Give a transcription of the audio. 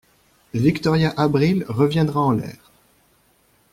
Victoria Abril reviendra en l'air!